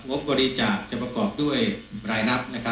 บบริจาคจะประกอบด้วยรายนับ